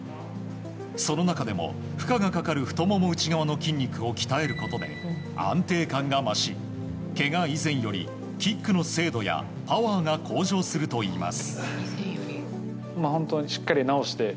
その中でも負荷がかかる太もも内側の筋肉を鍛えることで、安定感が増しけが以前より、キックの精度やパワーが向上するといいます。